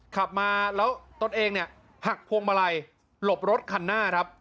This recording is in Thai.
ขับมาแล้วตนเองเนี่ยหักพวงมาลัยหลบรถคันหน้าครับ